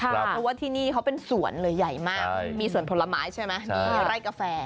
เพราะว่าที่นี่เขาเป็นสวนเลยใหญ่มากมีสวนผลไม้ใช่ไหมมีไร่กาแฟ